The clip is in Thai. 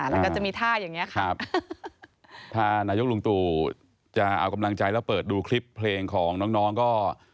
แล้วก็จะมีท่าอย่างนี้ครับถ้านายกลุงตู่จะเอากำลังใจแล้วเปิดดูคลิปเพลงของน้องก็